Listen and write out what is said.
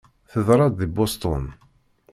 Teḍra-d di Boston.